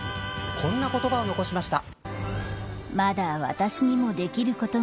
こんな言葉を残しました。